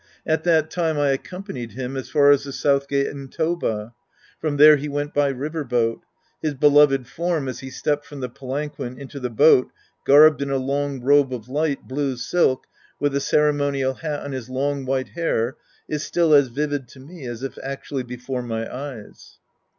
At that time I accompanied him as far as the South Gate in Toba. From there he went by river boat. His beloved form as he stepped from the palanquin into the boat garbed in a long robe of light blue silk with a ceremonial hat on his long white hair, is still as vivid to me as if actually before my eyes.